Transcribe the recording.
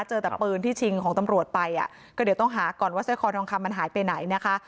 เจอแต่ปืนที่ชิงของตำรวจไปอ่ะก็เดี๋ยวต้องหาก่อนว่าสร้อยคอทองคำมันหายไปไหนนะคะ